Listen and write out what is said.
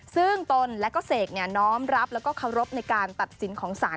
ซึ่งตนและก็เสกน้อมรับแล้วก็เคารพในการตัดสินของศาล